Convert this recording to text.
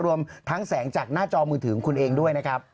รวมทั้งแสงจากหน้าจอมือถือของคุณเองด้วยนะครับ